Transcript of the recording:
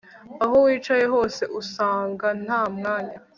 aho wicaye hose, ugasanga nta mwanya